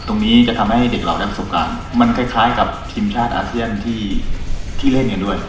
ตรงนี้จะทำให้เด็กเราได้ประสบการณ์มันคล้ายกับทีมชาติอาเซียนที่เล่นกันด้วย